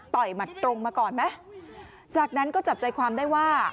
หมัดตรงมาก่อนไหมจากนั้นก็จับใจความได้ว่า